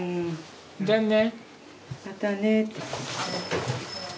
じゃあね。